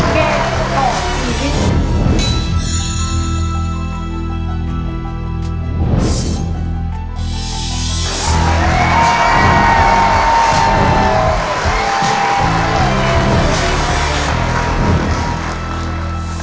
เกมต่อชีวิต